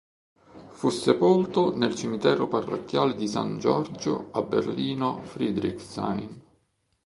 Fu sepolto nel cimitero parrocchiale di San Giorgio a Berlino-Friedrichshain.